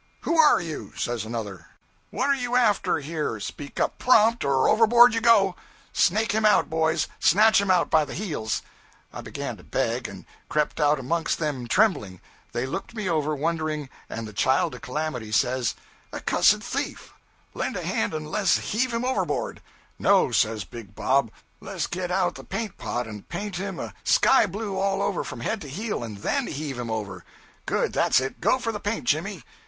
'Who are you?' says another. 'What are you after here? Speak up prompt, or overboard you go. 'Snake him out, boys. Snatch him out by the heels.' I began to beg, and crept out amongst them trembling. They looked me over, wondering, and the Child of Calamity says 'A cussed thief! Lend a hand and less heave him overboard!' 'No,' says Big Bob, 'less get out the paint pot and paint him a sky blue all over from head to heel, and then heave him over!' 'Good, that 's it. Go for the paint, Jimmy.'